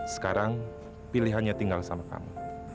sekarang pilihannya tinggal sama kamu